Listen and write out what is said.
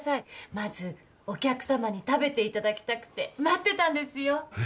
まずお客様に食べていただきたくて待ってたんですよ